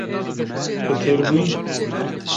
Tu têr bûyî?